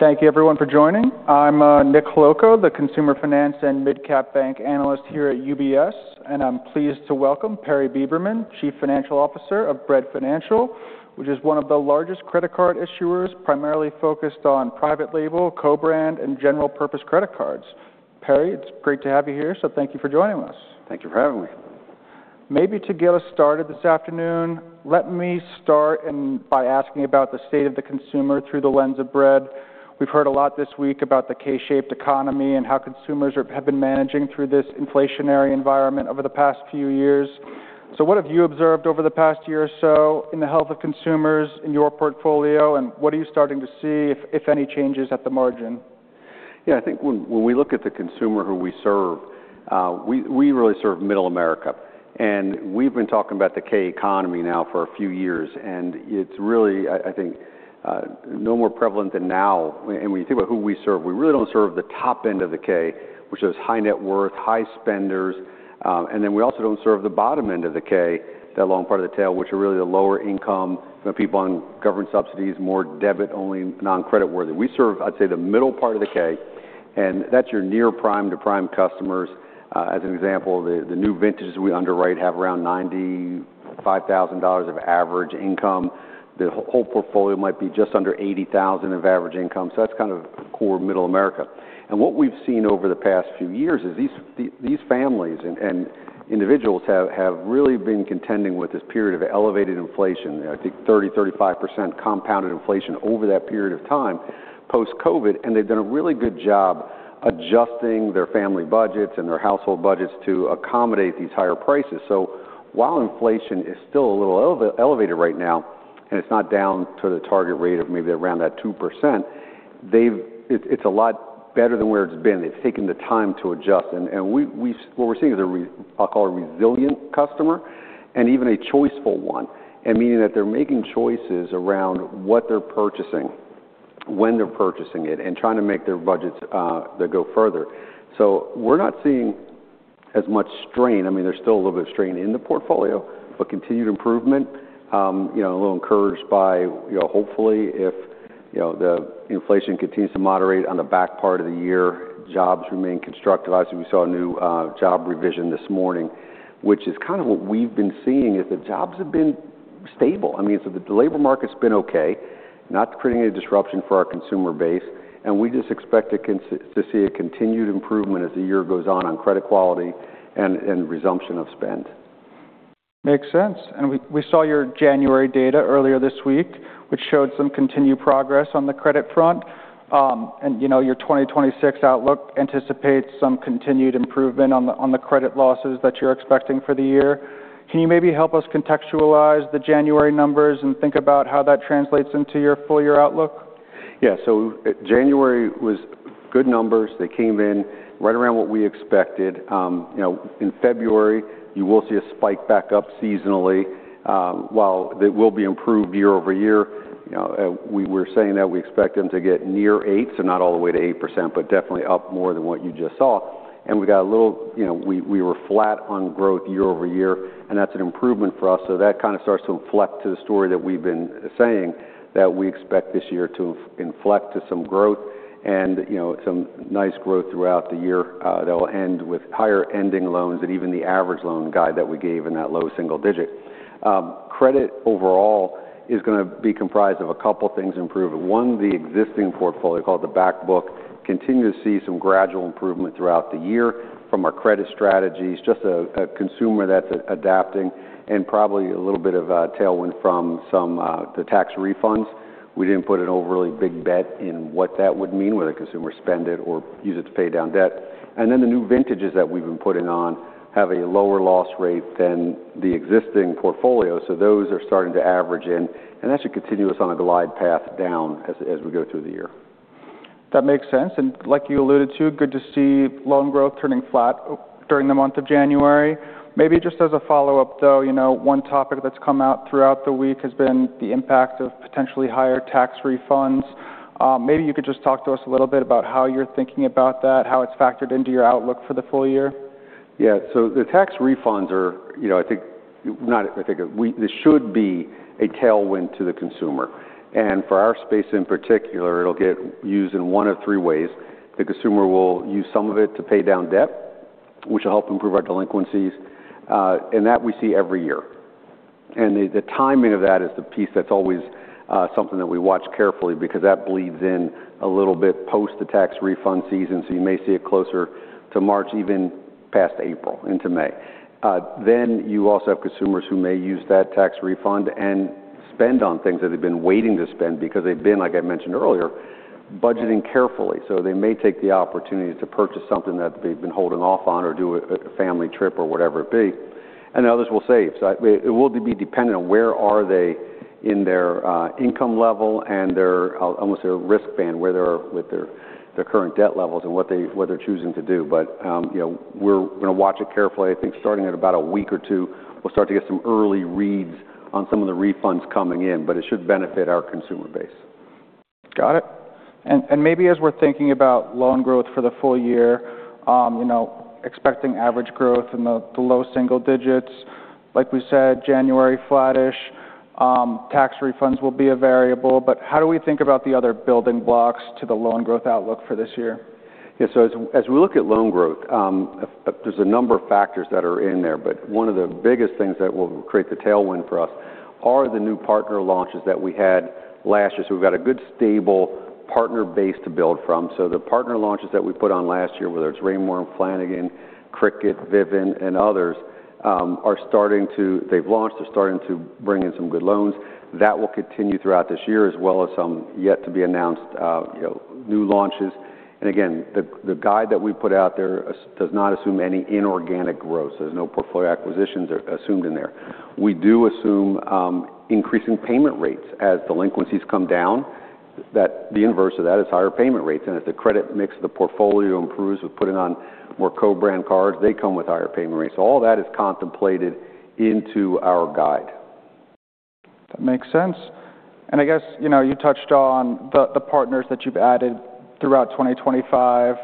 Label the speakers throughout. Speaker 1: Thank you, everyone, for joining. I'm Nick Holowko, the Consumer Finance and Midcap Bank analyst here at UBS, and I'm pleased to welcome Perry Beberman, Chief Financial Officer of Bread Financial, which is one of the largest credit card issuers, primarily focused on private label, co-brand, and general-purpose credit cards. Perry, it's great to have you here, so thank you for joining us.
Speaker 2: Thank you for having me.
Speaker 1: Maybe to get us started this afternoon, let me start by asking about the state of the consumer through the lens of Bread. We've heard a lot this week about the K-shaped economy and how consumers have been managing through this inflationary environment over the past few years. So what have you observed over the past year or so in the health of consumers in your portfolio, and what are you starting to see, if any, changes at the margin?
Speaker 2: Yeah, I think when we look at the consumer who we serve, we really serve Middle America. And we've been talking about the K economy now for a few years, and it's really, I think, no more prevalent than now. And when you think about who we serve, we really don't serve the top end of the K, which is high net worth, high spenders. And then we also don't serve the bottom end of the K, that long part of the tail, which are really the lower income, people on government subsidies, more debit-only, non-creditworthy. We serve, I'd say, the middle part of the K, and that's your near prime to prime customers. As an example, the new vintages we underwrite have around $95,000 of average income. The whole portfolio might be just under $80,000 of average income. So that's kind of core Middle America. What we've seen over the past few years is these families and individuals have really been contending with this period of elevated inflation, I think 30%-35% compounded inflation over that period of time post-COVID, and they've done a really good job adjusting their family budgets and their household budgets to accommodate these higher prices. So while inflation is still a little elevated right now, and it's not down to the target rate of maybe around that 2%, it's a lot better than where it's been. They've taken the time to adjust. And what we're seeing is a, I'll call it, resilient customer and even a choiceful one, and meaning that they're making choices around what they're purchasing, when they're purchasing it, and trying to make their budgets go further. So we're not seeing as much strain. I mean, there's still a little bit of strain in the portfolio, but continued improvement, a little encouraged by, hopefully, if the inflation continues to moderate on the back part of the year, jobs remain constructive. Obviously, we saw a new job revision this morning, which is kind of what we've been seeing is that jobs have been stable. I mean, so the labor market's been okay, not creating any disruption for our consumer base, and we just expect to see a continued improvement as the year goes on on credit quality and resumption of spend.
Speaker 1: Makes sense. And we saw your January data earlier this week, which showed some continued progress on the credit front. And your 2026 outlook anticipates some continued improvement on the credit losses that you're expecting for the year. Can you maybe help us contextualize the January numbers and think about how that translates into your full year outlook?
Speaker 2: Yeah, so January was good numbers. They came in right around what we expected. In February, you will see a spike back up seasonally, while it will be improved year-over-year. We're saying that we expect them to get near 8, so not all the way to 8%, but definitely up more than what you just saw. And we were flat on growth year-over-year, and that's an improvement for us. So that kind of starts to inflect to the story that we've been saying, that we expect this year to inflect to some growth and some nice growth throughout the year that will end with higher ending loans and even the average loan guide that we gave in that low single digit. Credit overall is going to be comprised of a couple of things improving. 1, the existing portfolio, called the back book, continues to see some gradual improvement throughout the year from our credit strategies, just a consumer that's adapting, and probably a little bit of a tailwind from some of the tax refunds. We didn't put an overly big bet in what that would mean, whether consumers spend it or use it to pay down debt. And then the new vintages that we've been putting on have a lower loss rate than the existing portfolio, so those are starting to average in, and that should continue us on a glide path down as we go through the year.
Speaker 1: That makes sense. And like you alluded to, good to see loan growth turning flat during the month of January. Maybe just as a follow-up, though, one topic that's come out throughout the week has been the impact of potentially higher tax refunds. Maybe you could just talk to us a little bit about how you're thinking about that, how it's factored into your outlook for the full year.
Speaker 2: Yeah, so the tax refunds are, I think, this should be a tailwind to the consumer. For our space in particular, it'll get used in one of three ways. The consumer will use some of it to pay down debt, which will help improve our delinquencies, and that we see every year. The timing of that is the piece that's always something that we watch carefully because that bleeds in a little bit post-the tax refund season, so you may see it closer to March, even past April into May. You also have consumers who may use that tax refund and spend on things that they've been waiting to spend because they've been, like I mentioned earlier, budgeting carefully. So they may take the opportunity to purchase something that they've been holding off on or do a family trip or whatever it be, and others will save. So it will be dependent on where are they in their income level and their, I'll almost say, risk band, where they are with their current debt levels and what they're choosing to do. But we're going to watch it carefully. I think starting at about a week or two, we'll start to get some early reads on some of the refunds coming in, but it should benefit our consumer base.
Speaker 1: Got it. Maybe as we're thinking about loan growth for the full year, expecting average growth in the low single digits, like we said, January flattish, tax refunds will be a variable, but how do we think about the other building blocks to the loan growth outlook for this year?
Speaker 2: Yeah, so as we look at loan growth, there's a number of factors that are in there, but one of the biggest things that will create the tailwind for us are the new partner launches that we had last year. So we've got a good stable partner base to billed from. So the partner launches that we put on last year, whether it's Raymour & Flanigan, Cricket Wireless, Vivint, and others, are starting to—they've launched, they're starting to bring in some good loans. That will continue throughout this year, as well as some yet-to-be-announced new launches. And again, the guide that we put out there does not assume any inorganic growth. So there's no portfolio acquisitions assumed in there. We do assume increasing payment rates as delinquencies come down, that the inverse of that is higher payment rates. As the credit mix of the portfolio improves with putting on more co-brand cards, they come with higher payment rates. So all that is contemplated into our guide.
Speaker 1: That makes sense. I guess you touched on the partners that you've added throughout 2025,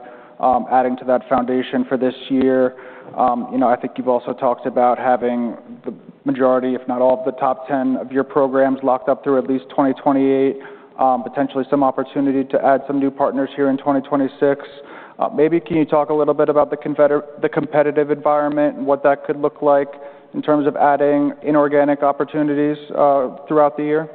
Speaker 1: adding to that foundation for this year. I think you've also talked about having the majority, if not all, of the top 10 of your programs locked up through at least 2028, potentially some opportunity to add some new partners here in 2026. Maybe can you talk a little bit about the competitive environment and what that could look like in terms of adding inorganic opportunities throughout the year?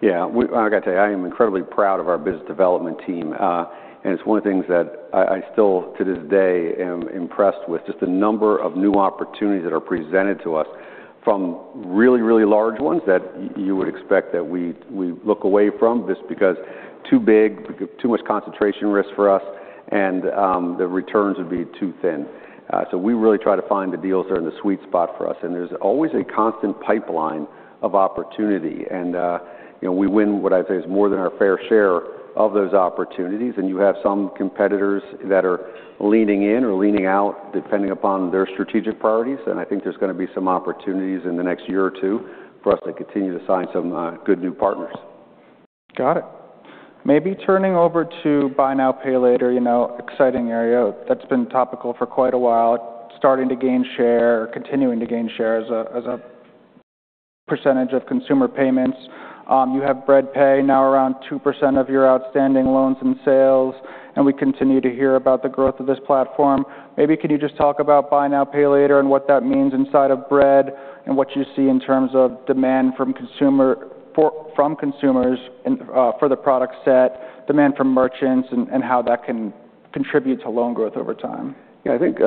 Speaker 2: Yeah, I got to tell you, I am incredibly proud of our business development team, and it's one of the things that I still, to this day, am impressed with, just the number of new opportunities that are presented to us from really, really large ones that you would expect that we look away from just because too big, too much concentration risk for us, and the returns would be too thin. So we really try to find the deals that are in the sweet spot for us, and there's always a constant pipeline of opportunity. We win what I'd say is more than our fair share of those opportunities, and you have some competitors that are leaning in or leaning out depending upon their strategic priorities, and I think there's going to be some opportunities in the next year or two for us to continue to sign some good new partners.
Speaker 1: Got it. Maybe turning over to buy now, pay later, exciting area. That's been topical for quite a while, starting to gain share or continuing to gain share as a percentage of consumer payments. You have Bread Pay, now around 2% of your outstanding loans and sales, and we continue to hear about the growth of this platform. Maybe can you just talk about buy now, pay later, and what that means inside of Bread and what you see in terms of demand from consumers for the product set, demand from merchants, and how that can contribute to loan growth over time?
Speaker 2: Yeah, I think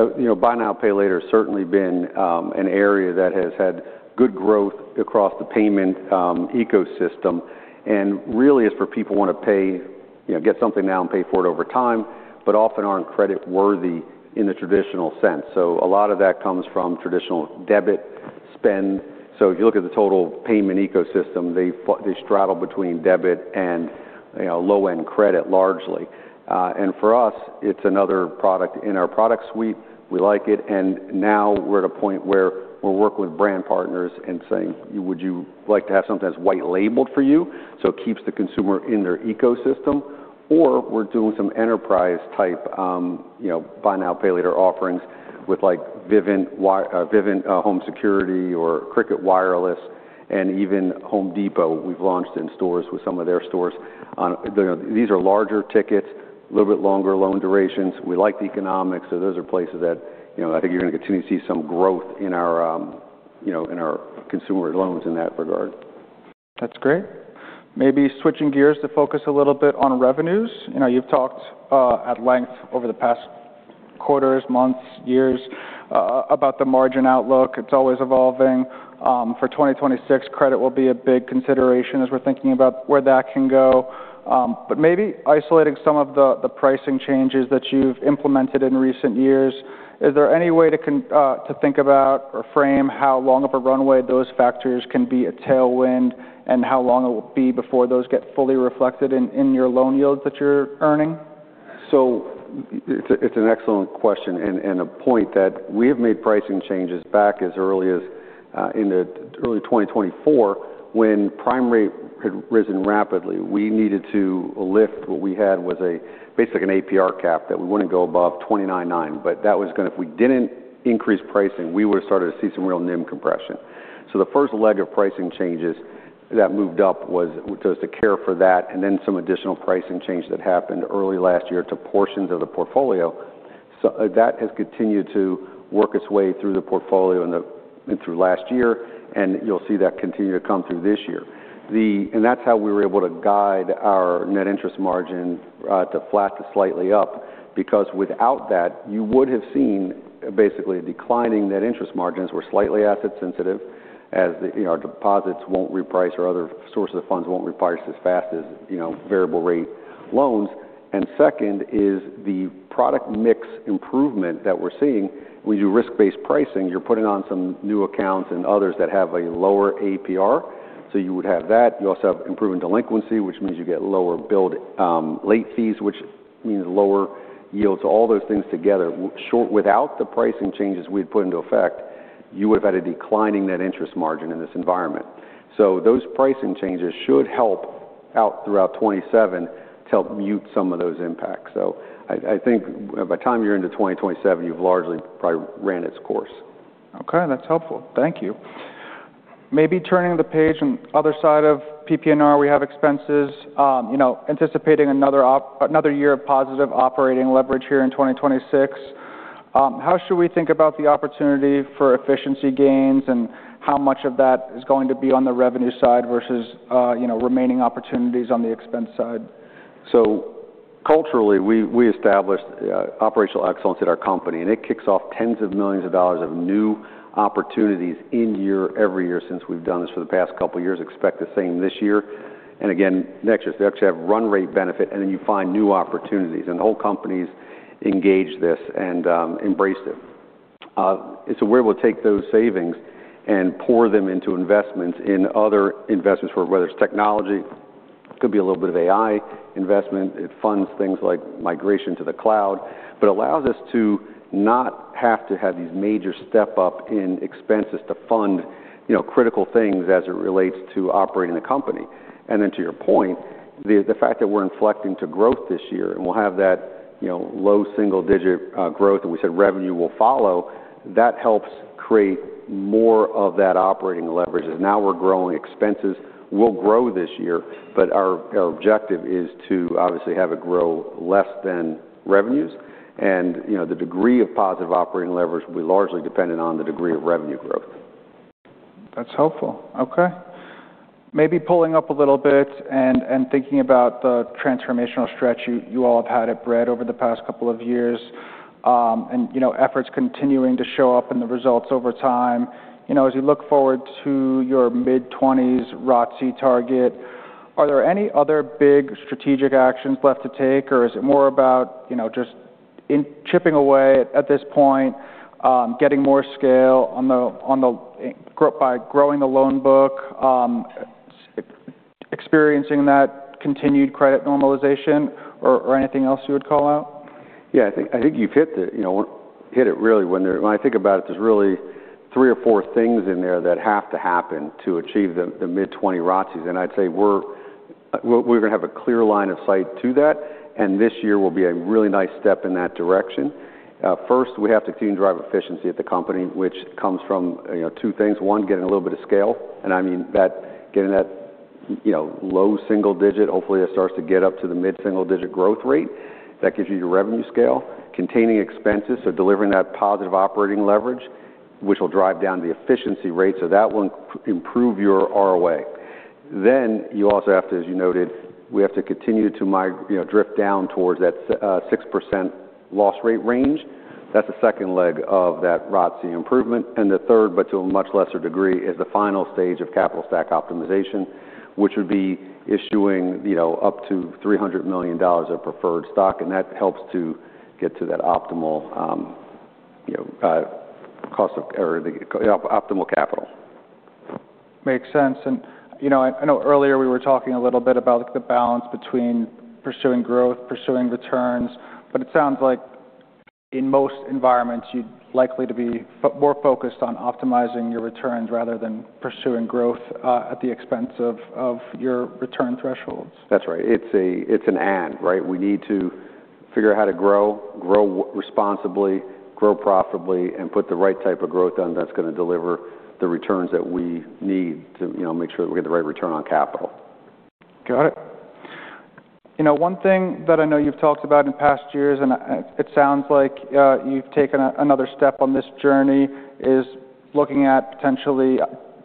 Speaker 2: buy now, pay later has certainly been an area that has had good growth across the payment ecosystem, and really is for people who want to get something now and pay for it over time, but often aren't credit-worthy in the traditional sense. So a lot of that comes from traditional debit spend. So if you look at the total payment ecosystem, they straddle between debit and low-end credit, largely. And for us, it's another product in our product suite. We like it, and now we're at a point where we're working with brand partners and saying, "Would you like to have something that's white-labeled for you?" So it keeps the consumer in their ecosystem, or we're doing some enterprise-type buy now, pay later offerings with Vivint or Cricket Wireless and even Home Depot. We've launched in stores with some of their stores. These are larger tickets, a little bit longer loan durations. We like the economics, so those are places that I think you're going to continue to see some growth in our consumer loans in that regard.
Speaker 1: That's great. Maybe switching gears to focus a little bit on revenues. You've talked at length over the past quarters, months, years about the margin outlook. It's always evolving. For 2026, credit will be a big consideration as we're thinking about where that can go. But maybe isolating some of the pricing changes that you've implemented in recent years, is there any way to think about or frame how long of a runway those factors can be a tailwind and how long it will be before those get fully reflected in your loan yields that you're earning?
Speaker 2: So it's an excellent question and a point that we have made pricing changes back as early as in early 2024 when prime rate had risen rapidly. We needed to lift what we had was basically an APR cap that we wouldn't go above 29.9, but that was going to if we didn't increase pricing, we would have started to see some real NIM compression. So the first leg of pricing changes that moved up was to care for that, and then some additional pricing change that happened early last year to portions of the portfolio. That has continued to work its way through the portfolio and through last year, and you'll see that continue to come through this year. And that's how we were able to guide our net interest margin to flat to slightly up because without that, you would have seen basically declining net interest margins. We're slightly asset-sensitive as our deposits won't reprice or other sources of funds won't reprice as fast as variable-rate loans. And second is the product mix improvement that we're seeing. When you do risk-based pricing, you're putting on some new accounts and others that have a lower APR, so you would have that. You also have improving delinquency, which means you get lower build late fees, which means lower yields. So all those things together, without the pricing changes we'd put into effect, you would have had a declining net interest margin in this environment. So those pricing changes should help out throughout 2027 to help mute some of those impacts. So I think by the time you're into 2027, you've largely probably ran its course.
Speaker 1: Okay, that's helpful. Thank you. Maybe turning the page on the other side of PPNR, we have expenses, anticipating another year of positive operating leverage here in 2026. How should we think about the opportunity for efficiency gains and how much of that is going to be on the revenue side versus remaining opportunities on the expense side?
Speaker 2: So culturally, we established operational excellence at our company, and it kicks off $ tens of millions of new opportunities in year every year since we've done this for the past couple of years. Expect the same this year. And again, next year, they actually have run-rate benefit, and then you find new opportunities, and the whole company's engaged this and embraced it. So we're able to take those savings and pour them into investments in other investments for whether it's technology, it could be a little bit of AI investment, it funds things like migration to the cloud, but it allows us to not have to have these major step-up in expenses to fund critical things as it relates to operating the company. And then to your point, the fact that we're inflecting to growth this year and we'll have that low single-digit growth, and we said revenue will follow, that helps create more of that operating leverage. As now we're growing, expenses will grow this year, but our objective is to obviously have it grow less than revenues. And the degree of positive operating leverage will be largely dependent on the degree of revenue growth.
Speaker 1: That's helpful. Okay. Maybe pulling up a little bit and thinking about the transformational stretch you all have had at Bread over the past couple of years and efforts continuing to show up in the results over time. As you look forward to your mid-20s ROTCE target, are there any other big strategic actions left to take, or is it more about just chipping away at this point, getting more scale by growing the loan book, experiencing that continued credit normalization, or anything else you would call out?
Speaker 2: Yeah, I think you've hit it really. When I think about it, there's really three or four things in there that have to happen to achieve the mid-20s ROTCE, and I'd say we're going to have a clear line of sight to that, and this year will be a really nice step in that direction. First, we have to continue to drive efficiency at the company, which comes from two things. One, getting a little bit of scale, and I mean that getting that low single-digit, hopefully that starts to get up to the mid-single-digit growth rate that gives you your revenue scale, containing expenses, so delivering that positive operating leverage, which will drive down the efficiency rate, so that will improve your ROA. Then you also have to, as you noted, we have to continue to drift down towards that 6% loss rate range. That's the second leg of that ROTCE improvement. The third, but to a much lesser degree, is the final stage of capital stack optimization, which would be issuing up to $300 million of preferred stock, and that helps to get to that optimal cost of or the optimal capital.
Speaker 1: Makes sense. I know earlier we were talking a little bit about the balance between pursuing growth, pursuing returns, but it sounds like in most environments, you'd likely to be more focused on optimizing your returns rather than pursuing growth at the expense of your return thresholds.
Speaker 2: That's right. It's an and, right? We need to figure out how to grow, grow responsibly, grow profitably, and put the right type of growth on that's going to deliver the returns that we need to make sure that we get the right return on capital.
Speaker 1: Got it. One thing that I know you've talked about in past years, and it sounds like you've taken another step on this journey, is looking at potentially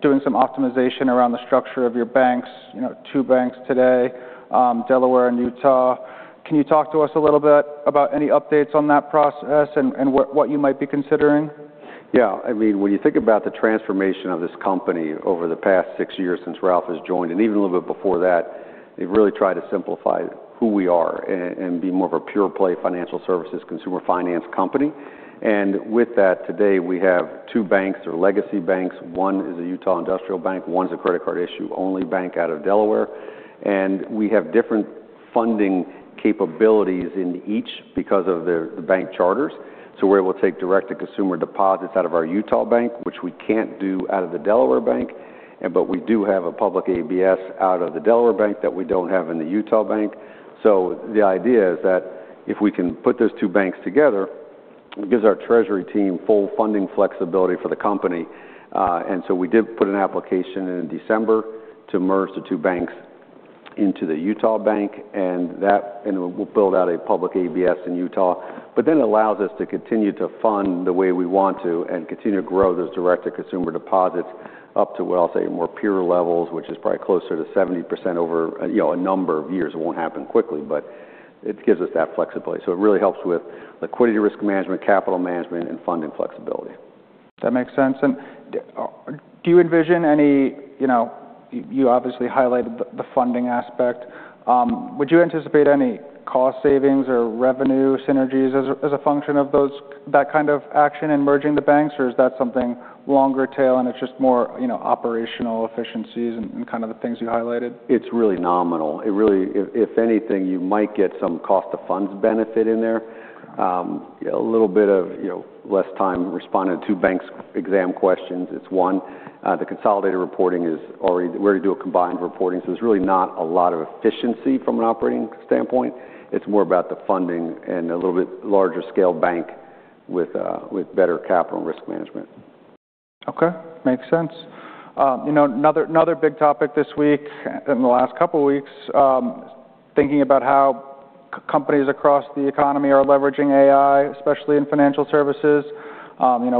Speaker 1: doing some optimization around the structure of your banks, two banks today, Delaware and Utah. Can you talk to us a little bit about any updates on that process and what you might be considering?
Speaker 2: Yeah, I mean, when you think about the transformation of this company over the past six years since Ralph has joined and even a little bit before that, they've really tried to simplify who we are and be more of a pure-play financial services, consumer finance company. And with that, today, we have two banks that are legacy banks. One is a Utah Industrial Bank. One's a credit card issue-only bank out of Delaware. And we have different funding capabilities in each because of the bank charters. So we're able to take direct-to-consumer deposits out of our Utah Bank, which we can't do out of the Delaware Bank, but we do have a public ABS out of the Delaware Bank that we don't have in the Utah Bank. So the idea is that if we can put those two banks together, it gives our treasury team full funding flexibility for the company. And so we did put an application in December to merge the two banks into the Utah Bank, and we'll build out a public ABS in Utah, but then it allows us to continue to fund the way we want to and continue to grow those direct-to-consumer deposits up to, what I'll say, more pure levels, which is probably closer to 70% over a number of years. It won't happen quickly, but it gives us that flexibility. So it really helps with liquidity risk management, capital management, and funding flexibility.
Speaker 1: That makes sense. And do you envision any? You obviously highlighted the funding aspect. Would you anticipate any cost savings or revenue synergies as a function of that kind of action in merging the banks, or is that something longer tail and it's just more operational efficiencies and kind of the things you highlighted?
Speaker 2: It's really nominal. If anything, you might get some cost-of-funds benefit in there. A little bit of less time responding to two banks' exam questions, it's one. The consolidated reporting is already, we're going to do a combined reporting, so there's really not a lot of efficiency from an operating standpoint. It's more about the funding and a little bit larger-scale bank with better capital and risk management.
Speaker 1: Okay, makes sense. Another big topic this week in the last couple of weeks, thinking about how companies across the economy are leveraging AI, especially in financial services.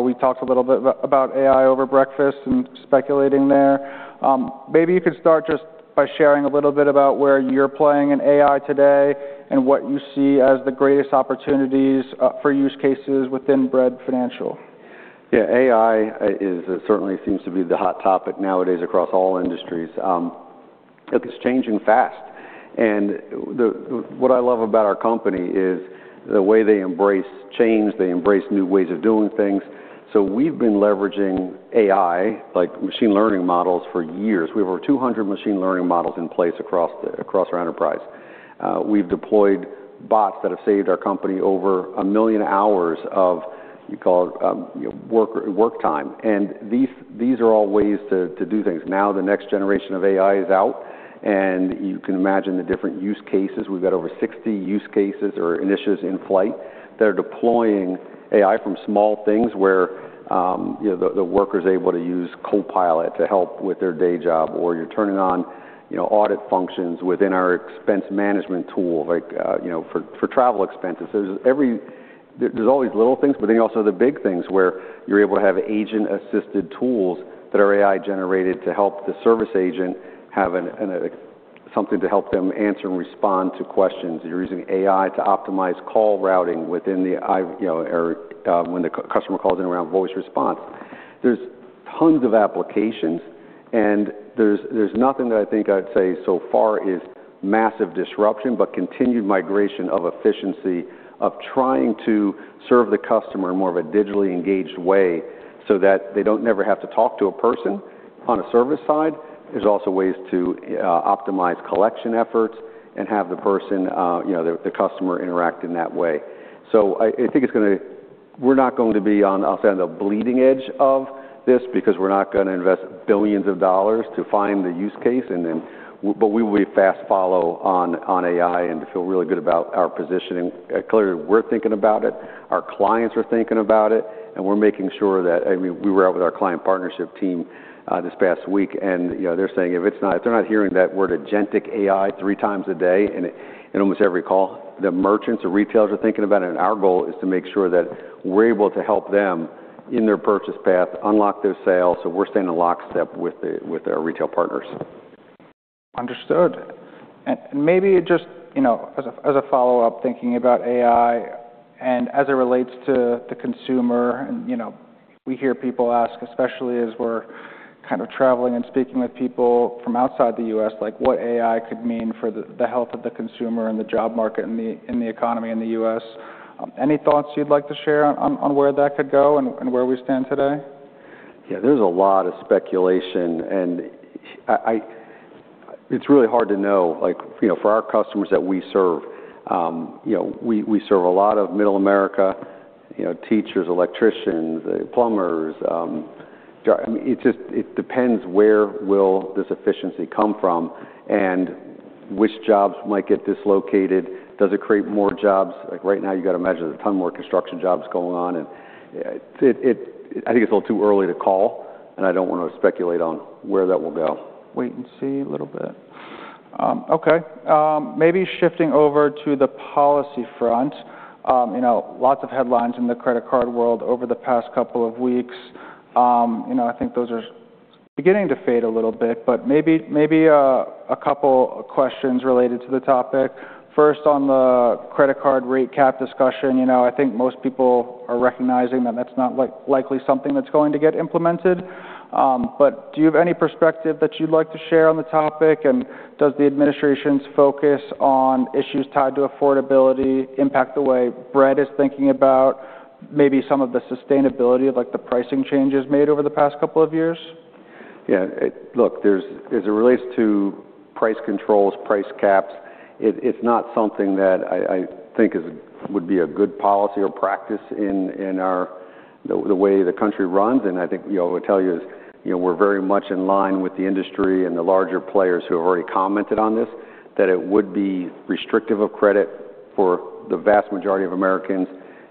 Speaker 1: We talked a little bit about AI over breakfast and speculating there. Maybe you could start just by sharing a little bit about where you're playing in AI today and what you see as the greatest opportunities for use cases within Bread Financial.
Speaker 2: Yeah, AI certainly seems to be the hot topic nowadays across all industries. It's changing fast. And what I love about our company is the way they embrace change. They embrace new ways of doing things. So we've been leveraging AI, like machine learning models, for years. We have over 200 machine learning models in place across our enterprise. We've deployed bots that have saved our company over 1 million hours of, you call it, work time. And these are all ways to do things. Now the next generation of AI is out, and you can imagine the different use cases. We've got over 60 use cases or initiatives in flight that are deploying AI from small things where the worker's able to use Copilot to help with their day job, or you're turning on audit functions within our expense management tool for travel expenses. There's always little things, but then you also have the big things where you're able to have agent-assisted tools that are AI-generated to help the service agent have something to help them answer and respond to questions. You're using AI to optimize call routing within the when the customer calls in around voice response. There's tons of applications, and there's nothing that I think I'd say so far is massive disruption, but continued migration of efficiency of trying to serve the customer in more of a digitally engaged way so that they don't never have to talk to a person on a service side. There's also ways to optimize collection efforts and have the person, the customer, interact in that way. So I think we're not going to be on, I'll say, on the bleeding edge of this because we're not going to invest $ billions to find the use case, but we will fast follow on AI and feel really good about our positioning. Clearly, we're thinking about it. Our clients are thinking about it, and we're making sure that I mean, we were out with our client partnership team this past week, and they're saying if they're not hearing that word agentic AI three times a day in almost every call, the merchants or retailers are thinking about it, and our goal is to make sure that we're able to help them in their purchase path unlock their sale, so we're staying in lockstep with our retail partners.
Speaker 1: Understood. Maybe just as a follow-up, thinking about AI and as it relates to the consumer, and we hear people ask, especially as we're kind of traveling and speaking with people from outside the U.S., what AI could mean for the health of the consumer and the job market and the economy in the U.S. Any thoughts you'd like to share on where that could go and where we stand today?
Speaker 2: Yeah, there's a lot of speculation, and it's really hard to know. For our customers that we serve, we serve a lot of Middle America, teachers, electricians, plumbers. I mean, it depends where will this efficiency come from and which jobs might get dislocated. Does it create more jobs? Right now, you got to imagine there's a ton more construction jobs going on, and I think it's a little too early to call, and I don't want to speculate on where that will go.
Speaker 1: Wait and see a little bit. Okay. Maybe shifting over to the policy front. Lots of headlines in the credit card world over the past couple of weeks. I think those are beginning to fade a little bit, but maybe a couple of questions related to the topic. First, on the credit card rate cap discussion, I think most people are recognizing that that's not likely something that's going to get implemented. But do you have any perspective that you'd like to share on the topic? And does the administration's focus on issues tied to affordability impact the way Bread is thinking about maybe some of the sustainability of the pricing changes made over the past couple of years?
Speaker 2: Yeah. Look, as it relates to price controls, price caps, it's not something that I think would be a good policy or practice in the way the country runs. And I think what I'll tell you is we're very much in line with the industry and the larger players who have already commented on this, that it would be restrictive of credit for the vast majority of Americans.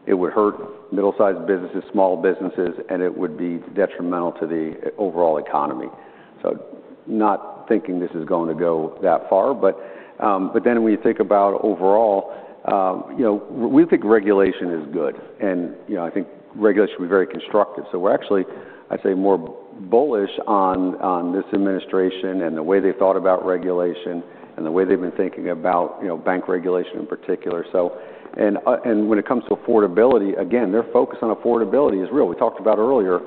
Speaker 2: It would hurt middle-sized businesses, small businesses, and it would be detrimental to the overall economy. So not thinking this is going to go that far, but then when you think about overall, we think regulation is good, and I think regulation should be very constructive. So we're actually, I'd say, more bullish on this administration and the way they've thought about regulation and the way they've been thinking about bank regulation in particular. When it comes to affordability, again, their focus on affordability is real. We talked about earlier,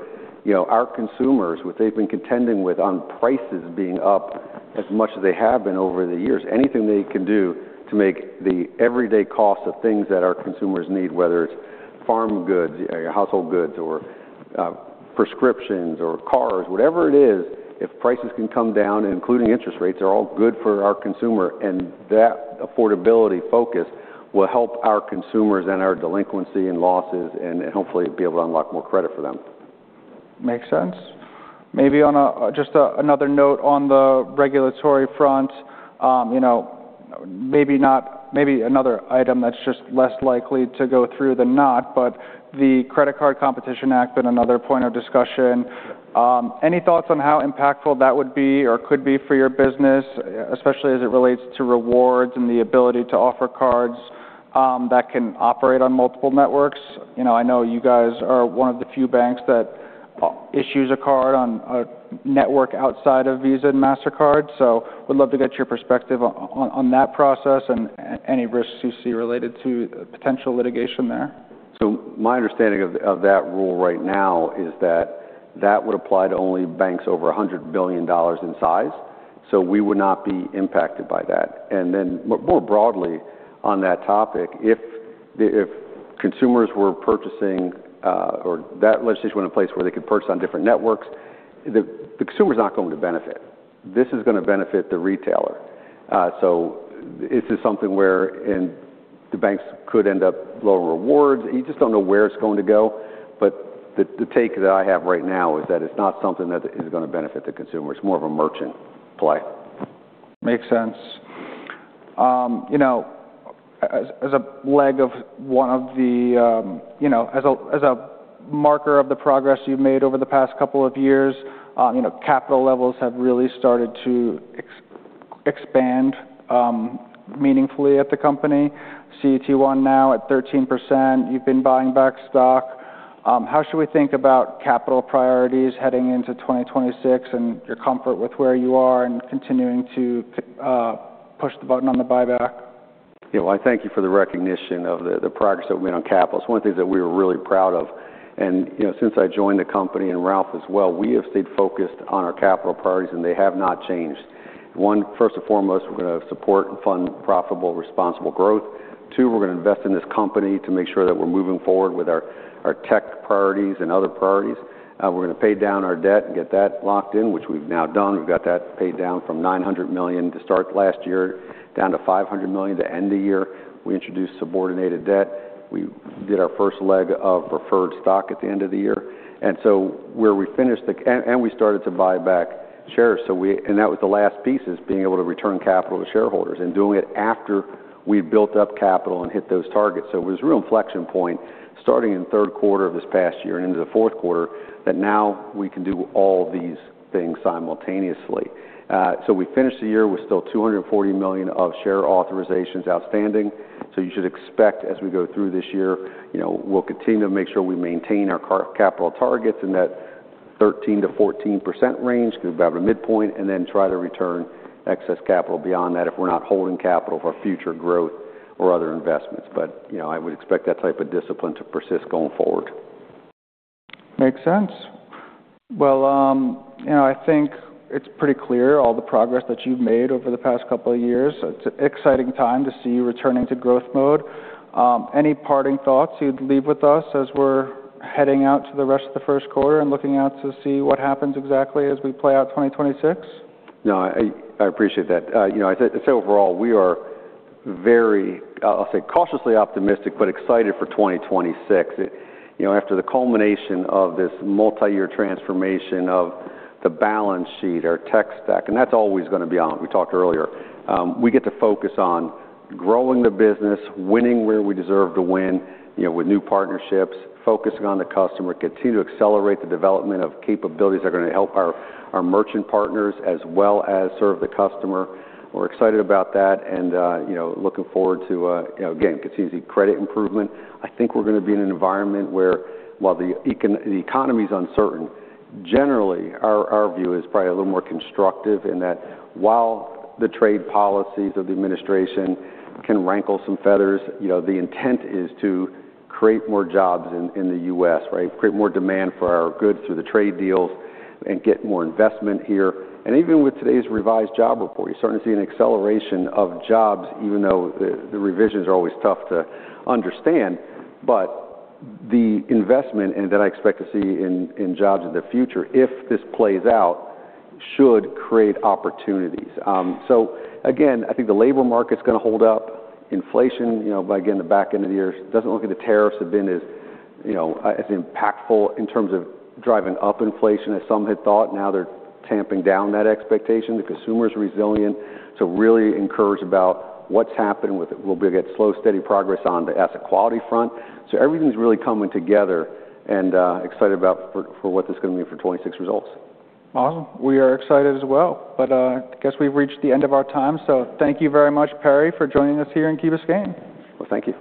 Speaker 2: our consumers, what they've been contending with on prices being up as much as they have been over the years. Anything they can do to make the everyday costs of things that our consumers need, whether it's farm goods, household goods, or prescriptions, or cars, whatever it is, if prices can come down, including interest rates, they're all good for our consumer. And that affordability focus will help our consumers and our delinquency and losses and hopefully be able to unlock more credit for them.
Speaker 1: Makes sense. Maybe just another note on the regulatory front, maybe another item that's just less likely to go through than not, but the Credit Card Competition Act has been another point of discussion. Any thoughts on how impactful that would be or could be for your business, especially as it relates to rewards and the ability to offer cards that can operate on multiple networks? I know you guys are one of the few banks that issues a card on a network outside of Visa and Mastercard, so would love to get your perspective on that process and any risks you see related to potential litigation there.
Speaker 2: My understanding of that rule right now is that that would apply to only banks over $100 billion in size, so we would not be impacted by that. Then more broadly on that topic, if consumers were purchasing or that legislation went into place where they could purchase on different networks, the consumer's not going to benefit. This is going to benefit the retailer. This is something where the banks could end up lowering rewards. You just don't know where it's going to go, but the take that I have right now is that it's not something that is going to benefit the consumer. It's more of a merchant play.
Speaker 1: Makes sense. As a marker of the progress you've made over the past couple of years, capital levels have really started to expand meaningfully at the company. CET1 now at 13%. You've been buying back stock. How should we think about capital priorities heading into 2026 and your comfort with where you are and continuing to push the button on the buyback?
Speaker 2: Yeah, well, I thank you for the recognition of the progress that we've made on capital. It's one of the things that we were really proud of. Since I joined the company and Ralph as well, we have stayed focused on our capital priorities, and they have not changed. One, first and foremost, we're going to support and fund profitable, responsible growth. Two, we're going to invest in this company to make sure that we're moving forward with our tech priorities and other priorities. We're going to pay down our debt and get that locked in, which we've now done. We've got that paid down from $900 million to start last year down to $500 million to end the year. We introduced subordinated debt. We did our first leg of preferred stock at the end of the year. And so we finished the year and we started to buy back shares, and that was the last piece being able to return capital to shareholders and doing it after we built up capital and hit those targets. So it was a real inflection point starting in third quarter of this past year and into the fourth quarter that now we can do all these things simultaneously. So we finished the year with still 240 million of share authorizations outstanding. So you should expect as we go through this year, we'll continue to make sure we maintain our capital targets in that 13%-14% range, go about a midpoint, and then try to return excess capital beyond that if we're not holding capital for future growth or other investments. But I would expect that type of discipline to persist going forward.
Speaker 1: Makes sense. Well, I think it's pretty clear, all the progress that you've made over the past couple of years. It's an exciting time to see you returning to growth mode. Any parting thoughts you'd leave with us as we're heading out to the rest of the first quarter and looking out to see what happens exactly as we play out 2026?
Speaker 2: No, I appreciate that. I'd say overall, we are very, I'll say, cautiously optimistic, but excited for 2026. After the culmination of this multi-year transformation of the balance sheet, our tech stack, and that's always going to be on, we talked earlier, we get to focus on growing the business, winning where we deserve to win with new partnerships, focusing on the customer, continue to accelerate the development of capabilities that are going to help our merchant partners as well as serve the customer. We're excited about that and looking forward to, again, continuously credit improvement. I think we're going to be in an environment where, while the economy's uncertain, generally, our view is probably a little more constructive in that while the trade policies of the administration can rankle some feathers, the intent is to create more jobs in the U.S., create more demand for our goods through the trade deals, and get more investment here. Even with today's revised jobs report, you're starting to see an acceleration of jobs, even though the revisions are always tough to understand, but the investment that I expect to see in jobs in the future, if this plays out, should create opportunities. Again, I think the labor market's going to hold up. Inflation, by again, the back end of the year, it doesn't look like the tariffs have been as impactful in terms of driving up inflation as some had thought. Now they're tamping down that expectation. The consumer's resilient. So really encouraged about what's happened with it. We'll get slow, steady progress on the asset quality front. So everything's really coming together and excited about what this is going to mean for 2026 results.
Speaker 1: Awesome. We are excited as well, but I guess we've reached the end of our time. Thank you very much, Perry, for joining us here in Key Biscayne.
Speaker 2: Well, thank you.